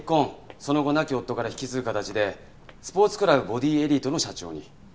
その後亡き夫から引き継ぐ形でスポーツクラブボディエリートの社長に。